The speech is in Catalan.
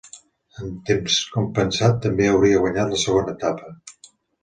En temps compensat també hauria guanyat la segona etapa.